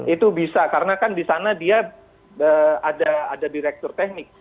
itu bisa karena kan di sana dia ada direktur teknik